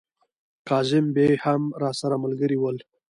کاظم بې هم راسره ملګري ول.